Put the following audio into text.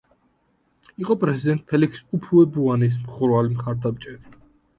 იყო პრეზიდენტ ფელიქს უფუე-ბუანის მხურვალე მხარდამჭერი.